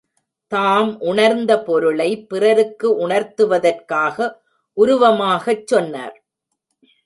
தாம் உணர்ந்த பொருளை பிறருக்கு உணர்த்துவதற்காக உருவகமாகச் சொன்னார்.